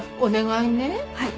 はい。